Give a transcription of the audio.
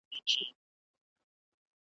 زه به هم درسره ځمه .